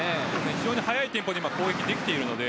非常に速いテンポで攻撃できているので